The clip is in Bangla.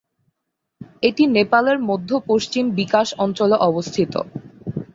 এটি নেপালের মধ্য-পশ্চিম বিকাশ অঞ্চলে অবস্থিত।